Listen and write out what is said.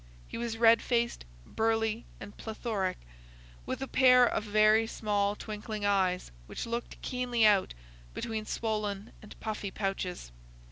He was red faced, burly and plethoric, with a pair of very small twinkling eyes which looked keenly out from between swollen and puffy pouches.